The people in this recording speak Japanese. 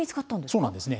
そうなんですね。